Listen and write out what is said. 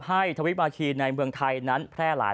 ทวิบาคีในเมืองไทยนั้นแพร่หลาย